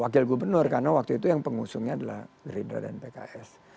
wakil gubernur karena waktu itu yang pengusungnya adalah gerindra dan pks